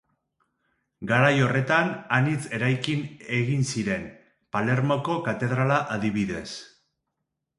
Garai horretan, anitz eraikin egin ziren, Palermoko katedrala adibidez.